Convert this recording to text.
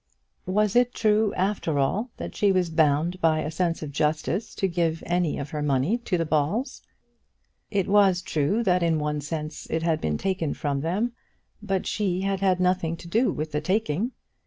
Was it true after all that she was bound by a sense of justice to give any of her money to the Balls? It was true that in one sense it had been taken from them, but she had had nothing to do with the taking.